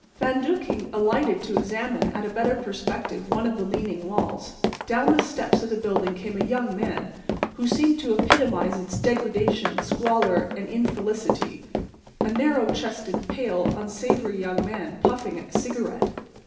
Van Duyckink alighted to examine at a better perspective one of the leaning walls. Down the steps of the building came a young man who seemed to epitomize its degradation, squalor and infelicity—a narrow chested, pale, unsavory young man, puffing at a cigarette.